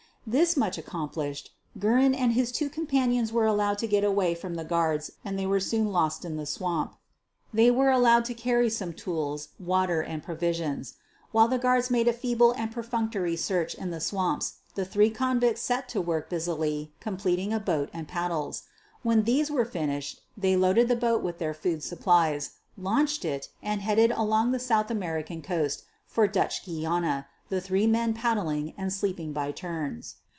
This much accomplished, Guerin and his two com panions were allowed to get away from the guards and they were soon lost in the swamp. They were allowed to carry some tools, water, and provisions. While the guards made a feeble and perfunctory search in the swamps the three convicts set to work busily completing a boat and paddles. When these were finished they loaded the boat with their food supplies, launched it and headed along the South American coast for Dutch Guiana, the three men paddling and sleeping by turns.